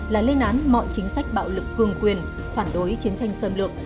là lên án mọi chính sách bạo lực cương quyền phản đối chiến tranh xâm lược